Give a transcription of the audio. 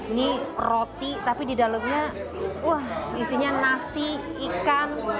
ini roti tapi didalamnya isinya nasi ikan